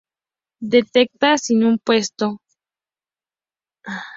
Detecta si un puerto está abierto, cerrado, o protegido por un cortafuegos.